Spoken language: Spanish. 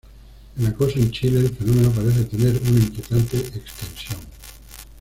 El acoso en Chile, el fenómeno parece tener una inquietante extensión.